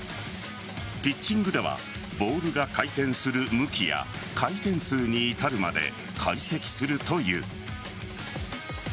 ピッチングではボールが回転する向きや回転数に至るまで解析するという。